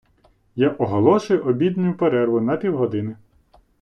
Я оголошую обідню перерву на півгодини!